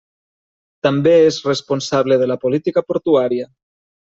També és responsable de la política portuària.